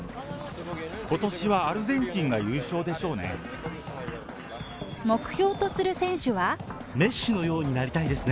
ことしはアルゼンチンが優勝でしょうね。